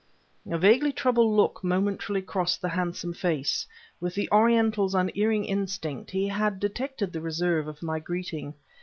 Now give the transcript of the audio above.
A vaguely troubled look momentarily crossed the handsome face; with the Oriental's unerring instinct, he had detected the reserve of my greeting.